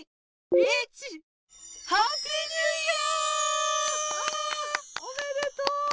おめでとう。